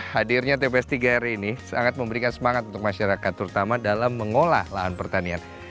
hadirnya tps tiga r ini sangat memberikan semangat untuk masyarakat terutama dalam mengolah lahan pertanian